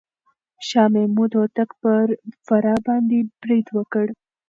شاه محمود هوتک پر فراه باندې بريد وکړ.